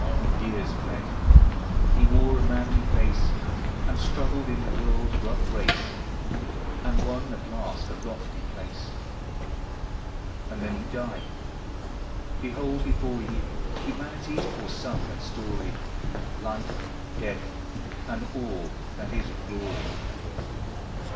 Years fled ;— he wore a manly face, And struggled in the world's rough race, And won at last a lofty place. And then he died ! Behold before ye Humanity's poor sum and story ; Life, — Death, — and all that is of Glory.